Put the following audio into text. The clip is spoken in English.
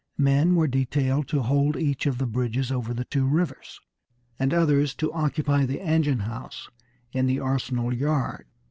Men were detailed to hold each of the bridges over the two rivers, and others to occupy the engine house in the arsenal yard.